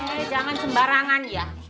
eh jangan sembarangan ya